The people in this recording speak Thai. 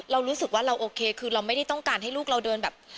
เรารู้สึกว่าเราโอเคคือเราไม่ได้ต้องการให้ลูกเราเดินแบบ